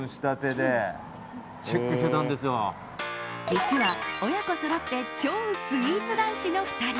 実は親子そろって超スイーツ男子の２人。